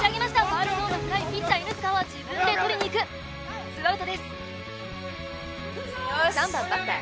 ファウルボールピッチャー犬塚は自分で捕りにいくツーアウトですよし３番バッター